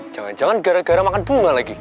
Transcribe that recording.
jangan jangan gara gara makan bunga lagi